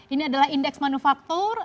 ini adalah indeks manufaktur